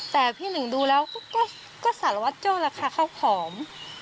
แต่พี่หนึ่งดูแล้วก็สารวัตโจ้ราคาข้าวของ